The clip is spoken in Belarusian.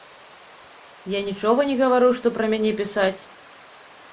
Я нічога не гавару, што пра мяне пісаць.